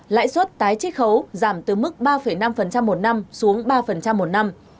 lãi suất tái chích khấu giảm từ mức ba năm một năm xuống ba một năm